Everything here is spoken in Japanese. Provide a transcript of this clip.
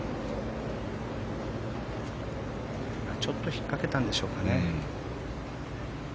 ちょっとひっかけたんでしょうかね。